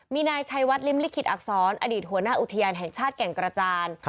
มีนายชัยวัดริมลิขิตอักษรอดีตหัวหน้าอุทยานแห่งชาติแก่งกระจาน